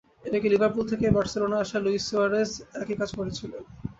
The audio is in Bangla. এর আগে লিভারপুল থেকেই বার্সেলোনায় আসা লুইস সুয়ারেজ একই কাজ করেছিলেন।